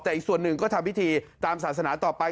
แต่อีกส่วนหนึ่งก็ทำพิธีตามศาสนาต่อไป